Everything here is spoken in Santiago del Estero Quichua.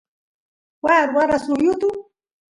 waa ruwara suk yutu